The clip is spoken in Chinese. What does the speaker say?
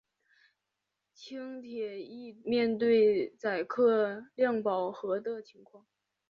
轻铁亦面对载客量饱和的情况。